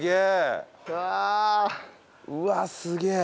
うわっすげえ！